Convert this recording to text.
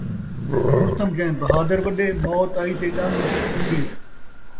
رستم جیہیں بہادر وݙے ، موت آئی تے ݙن٘د اݙے